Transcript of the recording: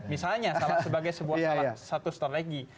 misalnya sebagai sebuah satu strategi